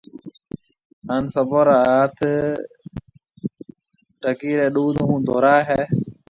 ھان سڀون را ھاٿ ڍگِي رَي ڏُوڌ ھون ڌورائيَ ھيَََ